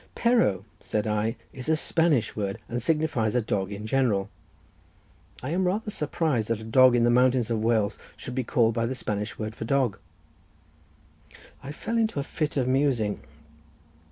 "Perro," said I, "is a Spanish word, and signifies a dog in general. I am rather surprised that a dog in the mountains of Wales should be called by the Spanish word for dog." I fell into a fit of musing.